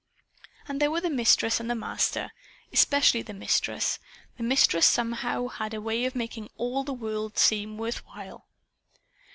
And there were the Mistress and the Master. Especially the Mistress! The Mistress somehow had a way of making all the world seem worth while.